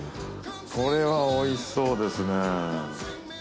これは美味しそうですね。